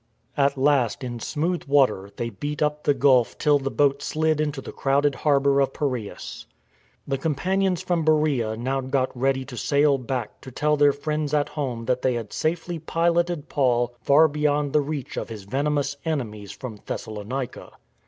At last in smooth water they beat up the gulf till the boat slid into the crowded harbour of Piraeus. The companions from Beroea now got ready to sail back to tell their friends at home that they had safely piloted Paul far beyond the reach of his venomous enemies from Thessalonica.